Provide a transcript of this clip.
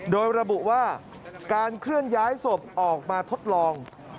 โดยระบุว่าการเคลื่อนย้ายศพออกมาทดลอง